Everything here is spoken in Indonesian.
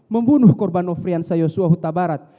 membunuh korban nofrianza yosuahutabarat